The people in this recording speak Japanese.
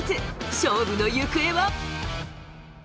勝負の行方は。